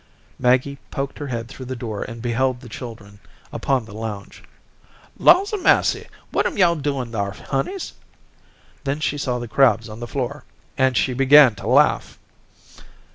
Maggie poked her head through the door and beheld the children upon the lounge. "Laws a massy, what am yo' doin' thar, honeys?" Then she saw the crabs on the floor, and she began to laugh.